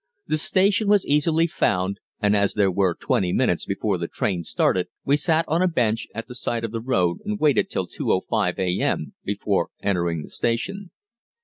The station was easily found, and as there were twenty minutes before the train started we sat on a bench at the side of the road and waited till 2.05 a.m. before entering the station.